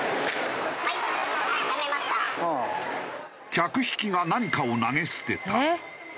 客引きが何かを投げ捨てた。